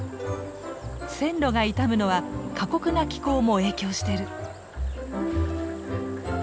線路が傷むのは過酷な気候も影響してる。